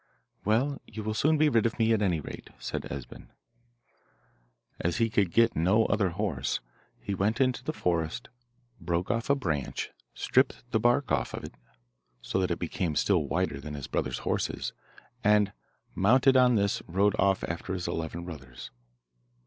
'Well, you will soon be rid of me at any rate,' said Esben. As he could get no other horse, he went into the forest, broke off a branch, stripped the bark off it, so that it became still whiter than his brothers' horses, and, mounted on this. rode off after his eleven brothers.